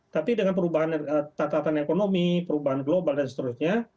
tapi dengan perubahan tatatan ekonomi perubahan global dan seterusnya